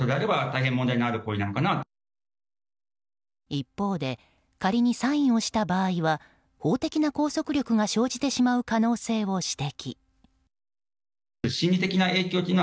一方で仮にサインをした場合は法的な拘束力が生じてしまう可能性を指摘。